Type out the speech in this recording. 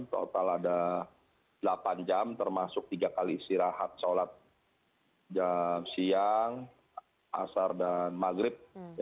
total ada delapan jam termasuk tiga kali istirahat sholat jam siang asar dan maghrib